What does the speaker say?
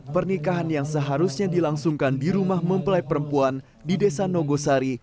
pernikahan yang seharusnya dilangsungkan di rumah mempelai perempuan di desa nogosari